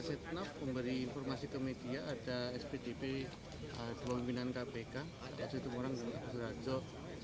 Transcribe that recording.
setimu orang di suratjo